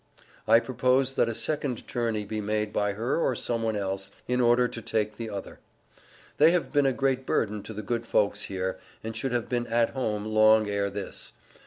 I propose that a second journey be made by her or some one else, in order to take the other. They have been a great burden to the good folks here and should have been at home long ere this.